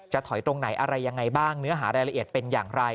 ถอยตรงไหนอะไรยังไงบ้างเนื้อหารายละเอียดเป็นอย่างไร